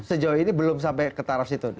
sejauh ini belum sampai ke taraf itu